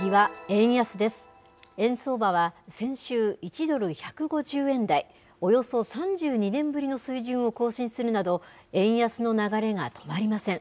円相場は先週、１ドル１５０円台、およそ３２年ぶりの水準を更新するなど、円安の流れが止まりません。